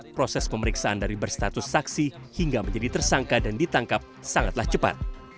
proses pemeriksaan dari berstatus saksi hingga menjadi tersangka dan ditangkap sangatlah cepat